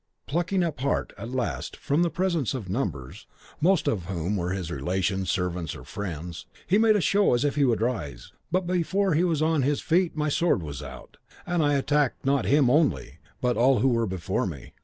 Plucking up heart, at last, from the presence of numbers, most of whom were his relations, servants, or friends, he made a show as if he would rise; but before he was on his feet my sword was out, and I attacked not him only but all who were before me.